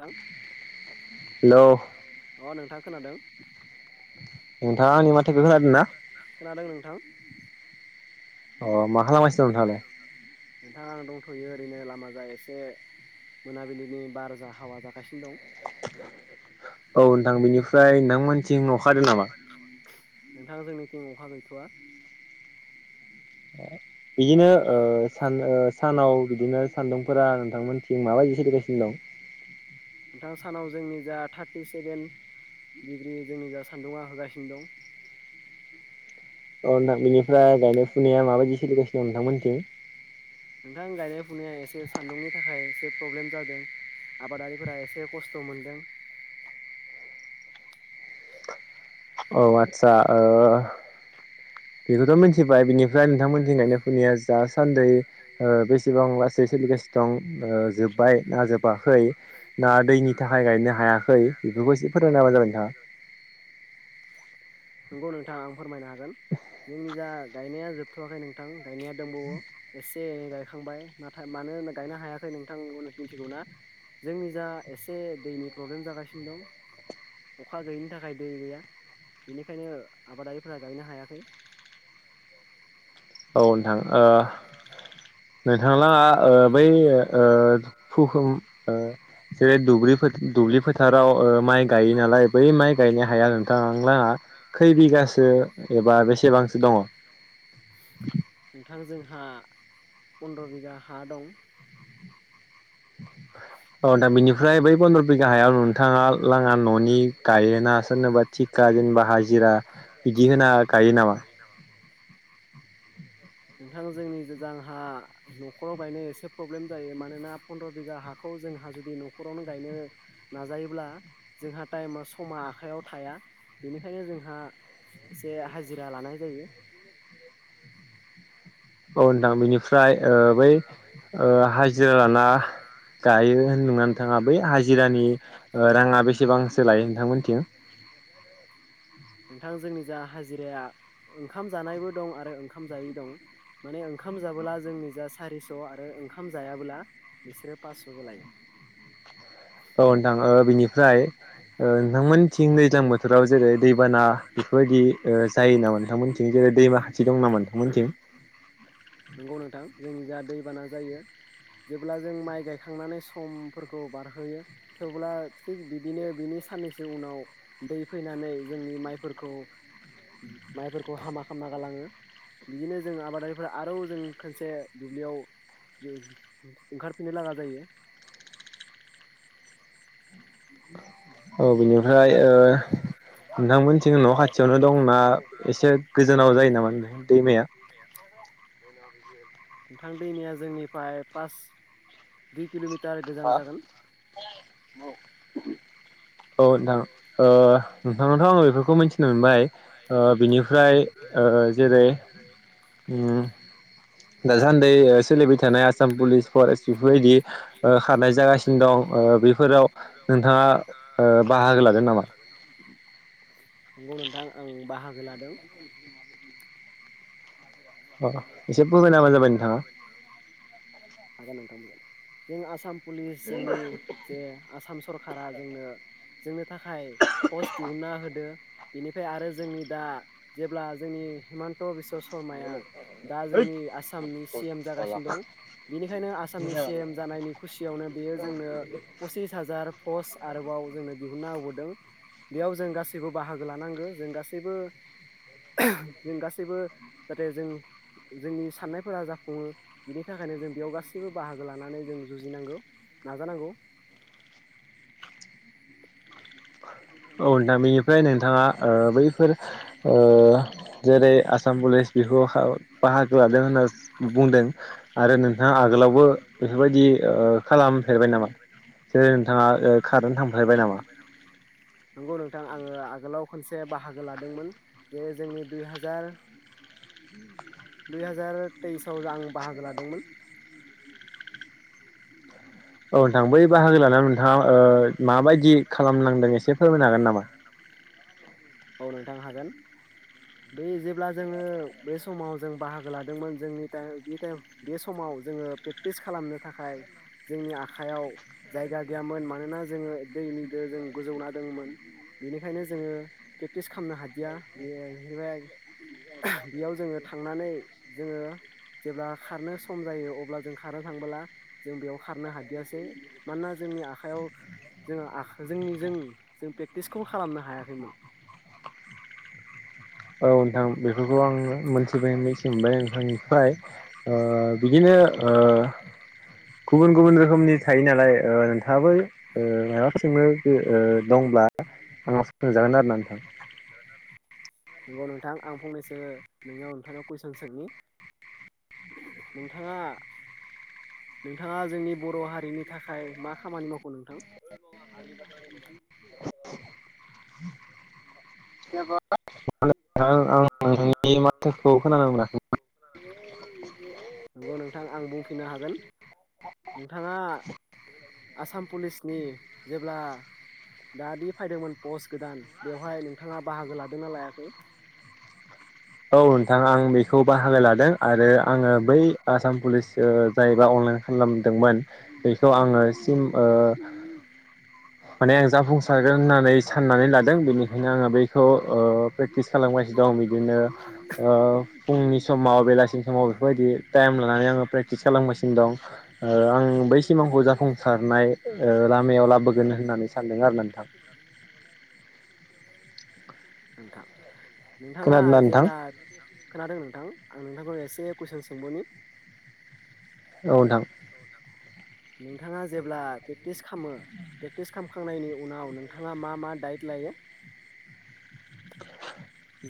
[unintelligible] अ नोंथां खोनादों नोंथांङा आंनि माथोखौ खोनादों ना? खोनादों नोंथां [inaudible] नोंथां आं दंथ'यो ओरैनो लामाजा एसे मोनाबिलिनि बारजा हावा जागासिनो दं औ ओनथां बेनिफ्राय नोंथांमोनथिं अखाहादों नामा नोंथां जोंनिथिं अखा गैथ'आ इदिनो ओ सान ओ सानाव बिदिनो सान्दुंफोरा नोंथांमोनथिं माबायदि सोलिगासिनो दं। नोंथां सानाव जोंनि जा थार्टि सेभेन डिग्रि जोंनि जा सान्दुंङा होगासिनो दं अ नोंथां बेनिफ्राय गायनाय फुनाया माबायदि सोलिगासिनो दं नोंथांमोनथिं नोंथां गायनाय फुनाया एसे सान्दुंनि थाखाय एसे प्रब्लेम जादों आबादारिफोरा एसे खस्थ' मोनदों औ आतसा ओ [inaudible] बेखौथ' मोनथिबाय बिनिफ्राय नोंथांमोनथिं गायनाय फुनाया जासान्दै ओ बेसेबां लासै सोलिगा सिनोदं ओ जोब्बाय ना जोबाखै ना दैनि थाखाय गायनो हायाखै बेफोरखौ एसे फोरमायना होबानो जाबाय नोंथाङा नोंगौ नोंथां आं फोरमायनो हागोन जोंनि जा गायनाया जोबथ'वाखै नोंथां गायनाया दंबावो एसे गायखांबाय नाथाय मानो होनना गायनो हायाखै नोंथां [unintelligible] मिन्थिगौ ना जोंनि जा एसे दैनि प्रब्लेम जागासिनो दं अखा गैयिनि थाखाय दै गैया बेनिखायनो आबादारिफोरा गायनो हायाखै औ ओनथां ओह नोंथांलाङा ओ बै ओ [unintelligible] जेरै दुब्लि फो दुब्लि फोथाराव ओ माइ गायो नालाय बै माइ गायनो हाया नोंथांलांङा खै बिगासो एबा बेसेबांसो दङ थां जोंहा फन्द्र' बिगा हा दं औ ओनथां बिनिफ्राय बै फन्द्र' बिगा हायाव नोंथाङा लांङा न'नि गायोना सोरनोबा थिखा जेनेबा हाजिरा बिदि होना गायो नामा? नोंथां जोंनिजो जांहा न'खराव गायनो एसे प्रब्लेम जायो मानोना फन्द्र' बिगा हाखौ जोंहा जुदि न'खरावनो गायनो नाजायोब्ला जोंहा टाइमा समा आखयाव थाया बेनिखायनो जोंहा एसे हाजिरा लानाय जायो। औ नोंथां बेनिफ्राय ओ बै ओ हाजिरा लाना गायो होनदोंना नोंथाङा बै हाजिरानि ओ राङा बेसेबांसो लायो नोंथांमोनथिं? नोंथां जोंनि जा हाजिराया ओंखाम जानायबो दं आरो ओंखाम जायै दं। माने ओंखाम जाबोला जोंनि जा सारिस' आरो ओंखाम जायाबोला बिसोरो पासससो लायो। औ नोंथां ओ बिनिफ्राय ओ नोंथांमोन थिं दैज्लां बोथोराव जेरै दैबाना बेफोरबायदि ओ जायो नामा नोंथां मोनथिं जेरै दैमा खााथि दं नामा? [unintelligible] नंगौ नोंथां जोंनिखैजा दैबाना जायो। जेब्ला जों माइ गायखांनानै समफोरखौ बारहोयो थेवब्ला थिग बिदिनो बिनि साननैसो उनाव दै फैनानै जोंनि माइफोरखौ माइफोरखौ हामा खालामना गालाङो। बिदिनो जों आबादारिफोरा आरोबाव जों खनसे दुब्लियाव जों ओंखारफिननो लागा जायो। अ [unintelligible] औ बिनिफ्राय ओ नोंथांमोनथिं न' खाथियावनो दंना एसे गोजानाव जायो नामा दैमाया? नोंथां दैमाया जोंनिफ्राय पास दुइ किल'मिटार गोजान जागोन। औ नोंथां ओ नोंथांनावथ' आङो बेफोरखौ मोनथि थिनो मोनबाय ओ बिनिफ्राय ओ जेरै उम दासान्दै सोलिबाय थानाय आसाम पुलिस फरेस्ट बेफोरबायदि खारनाय जागासिनो दं ओ बेफोराव नोंथाङा ओ बाहागो लागोन नामा? नंगौ नोंथां आं बाहागो लादों‌। अह हागोन नोंथां हागोन जों आसाम पुलिस जोंनि जे आसाम सरखारारा जोंनो जोंनो थाखाय पस्ट दिहुनना होदों बेनिफ्राय आरो जोंनि दा जेब्ला जोंनि हिमन्त बिस्व शर्माया दा जोंनि आसामनि सि एम जागासिनो दं बेनिखायनो आसामनि सि एम जानायनि खुसियावनो बेयो जोंनो पसिस हाजार पस्ट आरोबाव जोंनो दिहुनना होबावदों‌। बेयाव जों गासैबो बाहागो लानांगौ जों गासैबो जों गासैबो जाहाथे जों जोंनि साननायफोरा जाफुङो बिनि थाखायनो जों बेयाव गासैबो बाहागो लानानै जों जुजिनांगौ। नाजानांगौ औ नोथां बेनिफ्राय नोंथाङा ओ बैफोर ओ जेरै आसाम पुलिस बेखौ बाहागो लादों होनना बुंदों आरो नोंथाङा आगोलावबो बेफोरबायदि ओ खालामफेरबाय नामा जेरै नोंथाङा खारनो थांफेरबाय नामा? नंगौ नोंथां आङो आगोलाव खनसे बाहागो लादोंमोन जे जोंनि दुइ हाजार [inaudible] दुइ हाजार तेइसआव आं बाहागो लादोंमोन। औ नोंथां बै बाहागो लानायाव नोंथाङा ओ माबायदि खालामनांदों एसे फोरमायनो हागोन नामा औ नोंथां हागोन बे जेब्ला जोङो बे समाव जों बाहागो लादोंमोन जोंनि टाइम बे टाइम बे समाव जोङो प्रेक्टिस खालामनो थाखाय जोंनि आखाइयाव जायगा गैयामोन मानोना जोङो दैनिजों जों गोजौना दङोमोन बेनिखायनो जोङो प्रेक्टिस खालामनो हादिया बे बेनिफ्राय बेयाव जोङो थांनानै जोङो जेब्ला खारनो सम जायो अब्ला जों खारनो थांबोला जों बेयाव खारनो हादियासै मानोना जोंनि आखयाव जोङो आख जोंनि जों जों प्रेकटिसखौ खालामनो हायाखैमोन औ नोंथां बेफोरखौ आं मोनथिबाय सोंबाय नोंथांनिफ्राय फ्राय ओ बिदिनो ओ गुबुन गुबुन रोखोमनि थायो नालाय ओ नोंथाङाबो ओ मायबाफोर सोंबा ओ दंब्ला आंनाव सोलोंजागोन आरो ना नोंथां। नंगौ नोंथां आं फंनैसो नोंनियाव नोंथांनाव कुइसन सोंनि। नोंथाङा। नोंथाङा जोंनि बर' हारिनि थाखाय मा खामानि मावखो नोंथां? [unintelligible] नोंथां आं नोंनि माथोखौ खोनानो मोनाखै। नंगौ नोंथां आं बुंफिननो हागोन। नोंथाङा आसाम पुलिसनि जेब्ला द दि फायदोंमोन पस्ट गोदान बेवहाय नोंथाङा बाहागो लादोंना लायाखै? औ नोंथां आं बेखौ बाहागो लादों। आरो आङो बै आसाम पुलिस ओ जाहैबा अनलाइन खालामदोंमोन बेखौ आङो इसिम ओ माने आं जाफुंसारगोन होननानै साननानै लादों बेनिखायनो आङो बैखौ ओ फ्रेक प्रेटिस खालामगासिनो दं बिदिनो ओ फुंनि समाव बेलासिनि समाव बेफोरबायदि टाइम लानानै आङो प्रेकटिस खालामगासिनो दं ओ आं बै सिमांखौ जाफुंसारनाय ओ लामायाव लाबोगोन होननानै सान्दों आरो नोंथां। [inaudible] नोंथां नोंथाङा जेब्ला खोनादों नोंथां आं नोंथांखौ एसे कुइसन सोंबावनि। औ नोंथां। नोंथां नोंथाङा जेब्ला प्रेक्टिस खामो। प्रेक्टिस खामखांनायनि उनाव नोंथाङा मा मा दाइट लायो?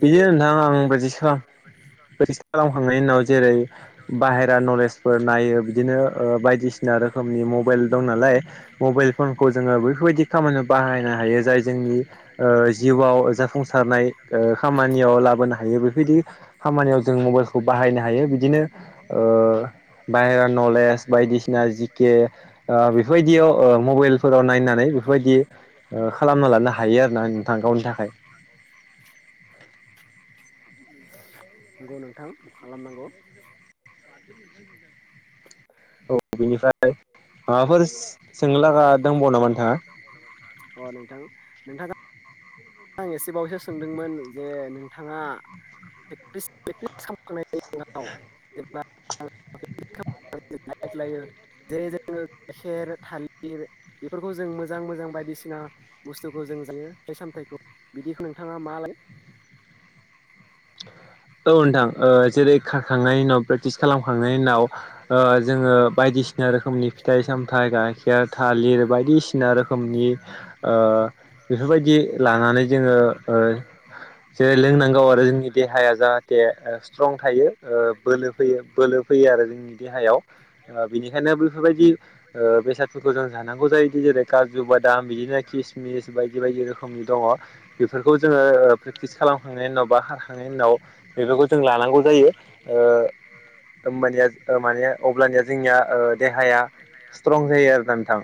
बिदिनो नोंथां आं [unintelligible] प्रेक्टिस खालामखांनायनि उनाव जेरै बाहेरा नलेजफोर नायो बिदिनो ओ बायदिसि सिना रोखोमनि मबाइल दं नालाय मबाइल फोरखौ जोङो बैफोरबायदि खामानियाव बाहायनो हायो जाय जोंनि ओ जिउआव जाफुंसारनाय ओ खामानियाव लाबोनो हायो बेफोरबायदि खामानियाव जों मबाइलखौ बाहायनो हायो बिदिनो ओ बाहेरा नलेज बायदिसिना जिके। ओ बेफोरबायदियाव ओ मबाइलफोराव नायनानै बेफोरबायदि ओ खालामना लानो हायो आरोना नोंथां गावनि थाखाय। नंगौ नोंथां खालामनांगौ। बेनिफ्राय माबाफोर सोंनो लागा दंबावो नामा नोंथाङा? [unintelligible] अ नोंथां नोंथाङा आं एसेबावैसो सोंदोंमोन जे नोंथाङा [unintelligible] प्रेकटिस खालामनायनि उनाव जेनबा [unintelligible] [unintelligible] जेरै जोङो गाइखेर थालिर बेफोरखौ जों मोजां मोजां बायदिसिना बुस्थुखौ जों जायो फिथाइ सामथाइखौ बिदिखौ नोंथाङा मा लाय औ नोंथां ओ जेरै खारखांनायनि उनाव प्रेकटिस खालामखांनायनि उनाव ओ जोङो बायदिसि सिना रोखोमनि फिथाइ सामथाइ, गाइखेर, थालिर बायदिसिना रोखोमनि ओ बेफोरबायदि लानानै जोङो ओ जेरै लोंनांगौ आरो जोंनि देहाया जाहाथे ओ स्ट्रं थायो ओ बोलो फैयो बोलो फैयो आरो जोंनि देहायाव। ओ बिनिखायनो बैफोरबायदि ओ बेसादफोरखौ जों जानांगौ जायोदि जेरै काजु बादाम बिदिनो खिसमिस बायदि बायदि रोखोम दङ बिफोरखौ जोङो प्रेटिस खालामखांनायनि उनाव बा खारखांनायनि उनाव बिफोरखौ जोङो लानांगौ जायो ओ ओ होमबानिया माने अब्लानिया जोंनिया ओ देहाया स्ट्रं जायो आरो ना नोंथां।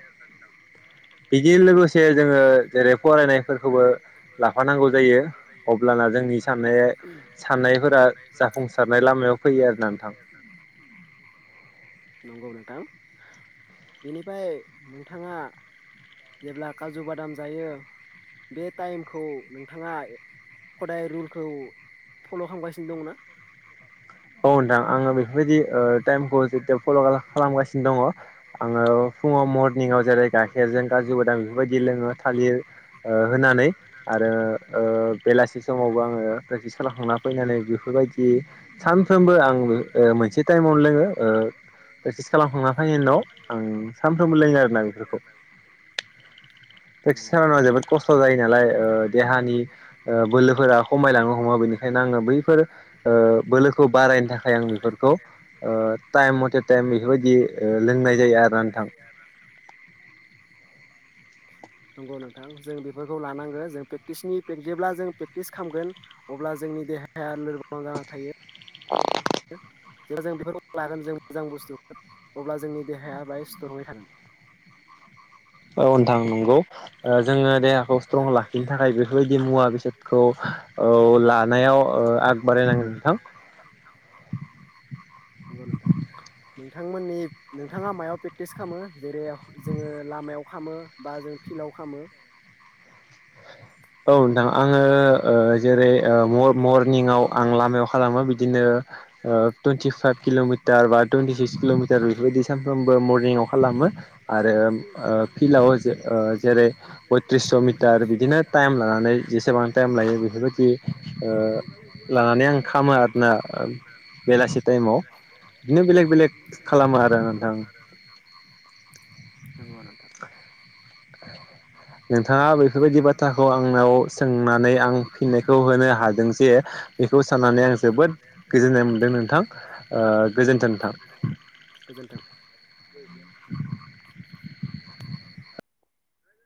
बिदि लोगोसे जोङो जेरै फरायनायफोरखौबो लाफानांगौ जायो। अब्लाना जोंनि साननाया साननायफोरा जाफुंसारनाय लामायाव फैयो आर ना नोंथां। [inaudible] नंगौ नोंथां बेनिफ्राय नोंथाङा जेब्ला काजु बादाम जायो बे टाइमखौ नोंथाङा हदाय रुलखौ फल' खालामगासिनो दंना? औ नोंथां आङो बेफोरबायदि ओ टाइमखौ फल' खालामगासिनो दङ। आङो फुङाव मरनिंआव जेरै गाइखेरजों काजु बादाम बेफोरबायदि लोङो थालिर ओ होनानै आरो ओ बेलासि समावबो आङो प्रेक्टिस खालामखांना फैनानै बेफोरबायदि सानफ्रोमबो आं ओ मोनसे टाइमावनो लोङो ओ प्रेक्टिस खालामखांना फैनाय उनाव आं सानफ्रोमबो लोंङो आरोना बेफोरखौ। [inaudible] प्रेक्टिस खालामनायाव जोबोद खस्थ' जायो नालाय ओ देहानि ओ बोलोफोरा खमायलांनो हमो बेनि खायनो आंङो बैफोर ओ बोलोखौ बारायनो थाखाय आं बेफोरखौ टाइम मथे टाइम बेफोरबायदि ओ लोंनाय जायो आरोना नोंथां। [unintelligible] नंगौ नोंथां जों बेफोरखौ लानांगो जों प्रेकटिसनि जेब्ला जों प्रेकटिस खालामगोन अब्ला जोंनि देहाया लोरबां जाना थायो। जेब्ला जों बेफोरखौ लागोन जों मोजां बुस्थुफोर अब्ला जोंनि देहाया बाहाय स्ट्रङै थागोन। औ‌ नोंथां नंगौ। ओ जोङो देहाखौ स्ट्रं लाखिनो‌ थाखाय बेफोरबायदि मुवा बेसादखौ औ लानायाव ओ आग बारायनांगोन नोंथां। नंगौ नोंथां। नोंथांमोननि नोंथाङा मायाव पेकटिस खालामो जेरै जोङो लामायाव खालामो बा जों फिलाव खालामो। औ नोंथां। आङो ओ जेरै ओ मर-मरनिंआव आं लामायाव खालामो बिदिनो ओ टुइन्टिफाइभ किल'मिटार बा टुइन्टि सिक्स किल'मिटार बेफोरबायदि सानफ्रोमबो मरनिङाव खालामो। आरो ओ फिल्डआव जे ओ जेरै फयथ्रिसस' मिटार बिदिनो टाइम लानानै जेसेबां टाइम लायो बेफोरबायदि ओ लानानै आं खालामो आरोना बेलासि टाइमाव बिदिनो बेलेक बेलेग खालामो आरो नोंथां। नंगौ नोंथां। [inaudible] नोंथाङा बेफोरबायदि बाथ्राखौ आंनाव सोंनानै आं फिननायखौ होनो हादों जे बेखौ साननानै आं जोबोद गोजोननाय मोन्दों नोंथां ओ गोजोन्थों नोंथां। गोजोन्थों।